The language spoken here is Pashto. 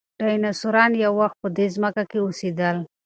ډیناسوران یو وخت په دې ځمکه کې اوسېدل.